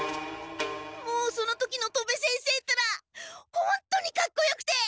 もうその時の戸部先生ったらほんとにかっこよくて！